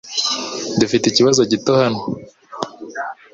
Dufite ikibazo gito hano .